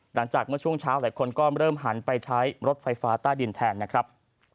หลังจากเมื่อช่วงเช้าหลายคนก็เริ่มหันไปใช้รถไฟฟ้าใต้ดินแทนนะครับ